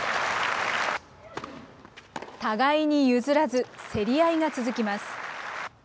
互いに譲らず、競り合いが続きます。